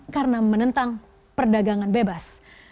karena menentang perdagangan bebas